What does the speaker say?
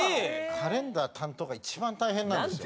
カレンダー担当が一番大変なんですよ。